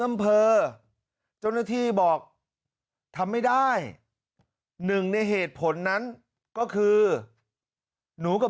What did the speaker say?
อำเภอเจ้าหน้าที่บอกทำไม่ได้หนึ่งในเหตุผลนั้นก็คือหนูกับ